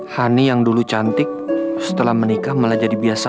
hani yang dulu cantik setelah menikah malah jadi biasa